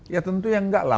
ya tentu yang nggak lah